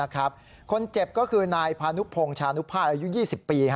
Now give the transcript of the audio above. คนเจ็บก็คือนายพานุพงศานุภาษณอายุ๒๐ปี